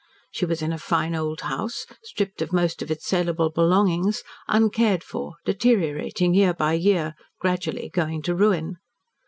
She was in a fine old house, stripped of most of its saleable belongings, uncared for, deteriorating year by year, gradually going to ruin.